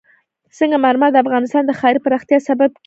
سنگ مرمر د افغانستان د ښاري پراختیا سبب کېږي.